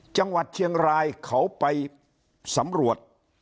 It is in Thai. จังหวัดเชียงรายเขาไปสำรวจ